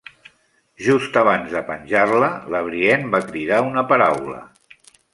Just abans de penjar-la, la Brienne va cridar una paraula.